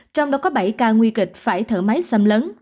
trong đó có bảy ca nguy kịch phải thở máy xăm